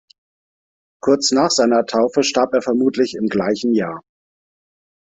Kurz nach seiner Taufe starb er vermutlich im gleichen Jahr.